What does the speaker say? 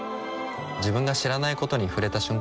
自分が知らないことに触れた瞬間